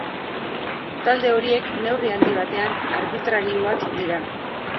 Talde horiek neurri handi batean arbitrarioak dira.